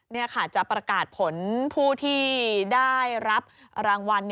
นี่ค่ะจะประกาศผลผู้ที่ได้รับรางวัล